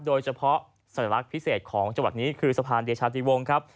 โดยเฉพาะสัญลักษณ์พิเศษของจังหวัดนี้คือสะพานเดชาติวงครับ